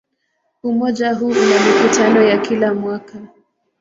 Umoja huu una mikutano ya kila mwaka.